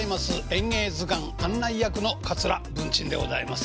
「演芸図鑑」案内役の桂文珍でございます。